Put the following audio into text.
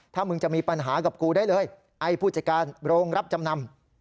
ถ้ามึงจะมีปัญหากับกูได้เลยไอ้ผู้จัดการโรงรับจำนำ